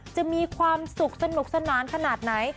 จะมีความสุขสนุกสนานขนาดไหน